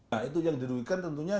nah itu yang dirugikan tentunya